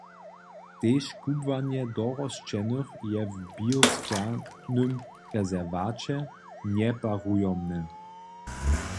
Tež kubłanje dorosćenych je w biosferowym rezerwaće njeparujomne.